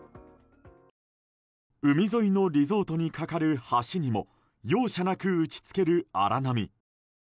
海沿いのリゾートに架かる橋にも容赦なく打ち付ける荒波。